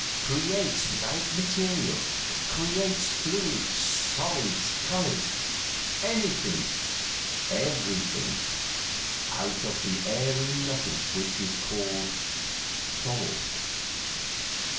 Creates without material. Creates fluids, solids, colors anything, everything out of the airy nothing which is called Thought.